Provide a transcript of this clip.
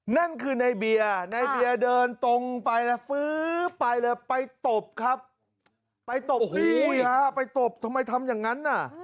นั่นคือในเบียร์ในเบียร์เดินตรงไปแล้วฟื้อไปเลยไปตบครับไปตบหูฮะไปตบทำไมทำอย่างนั้นน่ะ